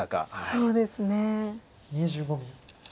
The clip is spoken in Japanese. そうですね。